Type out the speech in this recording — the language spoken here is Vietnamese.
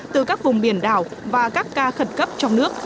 từ các vùng biển đảo và các ca khẩn cấp trong nước